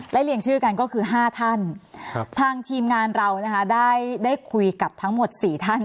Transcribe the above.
และเรียงชื่อกันก็คือ๕ท่านทางทีมงานเรานะคะได้คุยกับทั้งหมด๔ท่าน